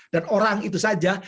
dan orang itu saja